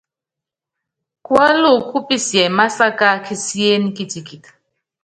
Kuɔ́lɔk kú pisiɛ másaká kisién kitikit.